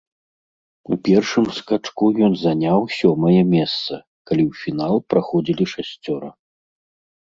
У першым скачку ён заняў сёмае месца, калі ў фінал праходзілі шасцёра.